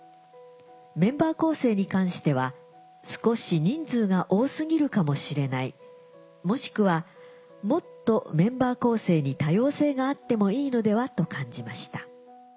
メンバー構成に関しては少し人数が多過ぎるかもしれないもしくはもっとメンバー構成に多様性があってもいいのではと感じました」。